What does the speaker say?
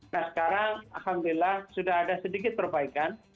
nah sekarang alhamdulillah sudah ada sedikit perbaikan